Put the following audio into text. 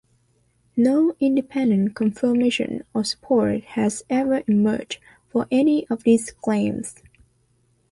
No independent confirmation or support has ever emerged for any of these claims.